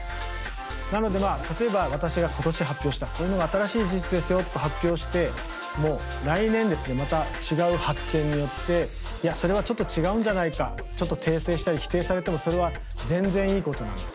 なのでまあ例えば私が今年発表したこういうのが新しい事実ですよと発表しても来年ですねまた違う発見によっていやそれはちょっと違うんじゃないかちょっと訂正したり否定されてもそれは全然いいことなんです。